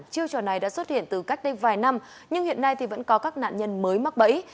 chiêu trò này đã xuất hiện từ cách đây vài năm nhưng hiện nay vẫn có các nạn nhân mới mắc bẫy